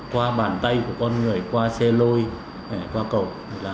qua bàn tay của con người qua xe lôi qua cầu